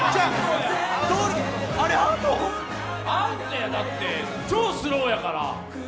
アウトや、だって超スローやから。